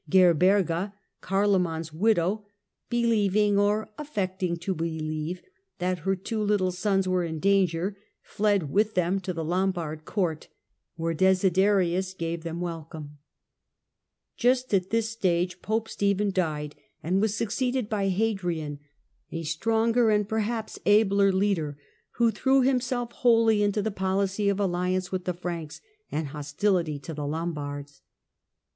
Gerberga, Carloman's widow, believing, or affecting to believe, that her two little sons were in danger, fled with them to the Lombard Court, where Desiderius gave them a welcome. The fall of Just at this stage Pope Stephen died and was suc bard king ceeded by Hadrian, a stronger and perhaps abler leader, om ' 'I w ho threw himself wholly into the policy of alliance with the Franks and hostility to the Lombards.